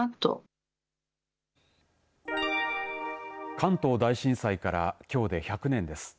関東大震災からきょうで１００年です。